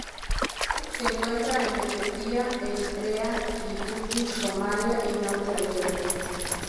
Se encuentra en Etiopía, Eritrea, Yibuti, Somalia y norte de Kenia.